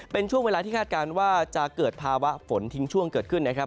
เป็นช่วงเวลาที่คาดการณ์ว่าจะเกิดภาวะฝนทิ้งช่วงเกิดขึ้นนะครับ